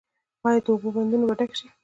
آیا د اوبو بندونه به ډک شي؟